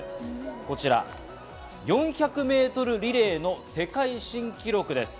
こちら４００メートルリレーの世界新記録です。